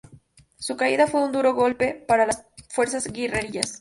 Su caída fue un duro golpe para las fuerzas guerrilleras.